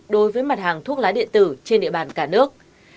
đối với mặt hàng thuốc lá điện tử trên địa bàn cả nước